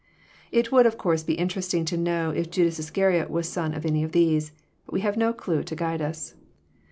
It would, of course, be interesting to know if Judas Iscariot was son of any of these. But we have no clue to guide us.